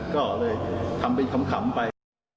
ก็เลยทำเป็นขำไป